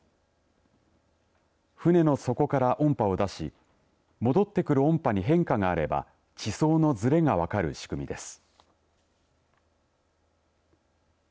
船の底から音波を出し戻ってくる音波に変化があれば地層のずれが分かる仕組みです。